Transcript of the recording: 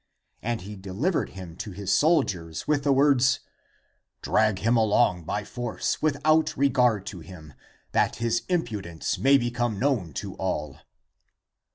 And he delivered him to his soldiers with the words, " Drag him along by force without regard to him, that his impudence may become known to all."